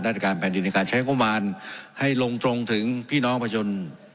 ในการแผนดินในการใช้โครงพยาบาลให้ลงตรงถึงพี่น้องประชน